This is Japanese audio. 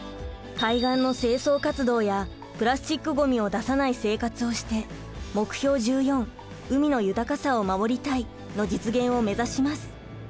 海岸の清掃活動やプラスチックゴミを出さない生活をして目標１４「海の豊かさを守りたい」の実現を目指します。